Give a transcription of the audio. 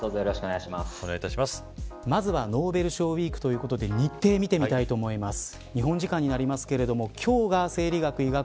まずはノーベル賞ウイークということで日程、見てみたいと思います。